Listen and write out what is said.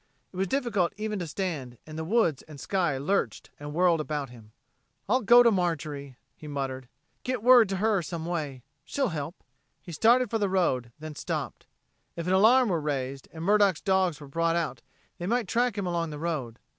It was difficult even to stand, and the woods and sky lurched and whirled about him. "I'll go to Marjorie," he muttered. "Get word to her some way. She'll help." He started for the road, then stopped. If an alarm were raised, and Murdock's dogs were brought out, they might track him along the road.